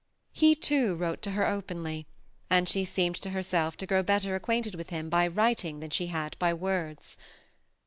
He too wrote to her openly, and she seemed to herself to grow better acquainted with him in writing than she had by words.